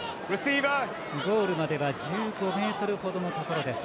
ゴールまでは１５ｍほどのところです。